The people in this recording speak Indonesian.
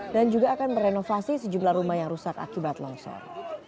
dan juga akan merenovasi sejumlah rumah yang rusak akibat longsor